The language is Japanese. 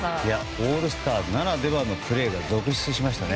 オールスターならではのプレーが続出しましたね。